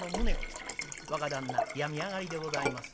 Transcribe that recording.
若旦那病み上がりでございます。